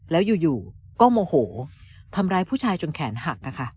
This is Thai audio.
แล้วอยู่ก็โมโหทำร้ายผู้ชายจนแขนหัก